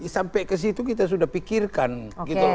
sampai ke situ kita sudah pikirkan gitu loh